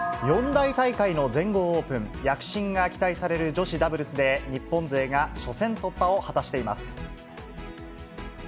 四大大会の全豪オープン、躍進が期待される女子ダブルスで、日本勢が初戦突破を果たしています。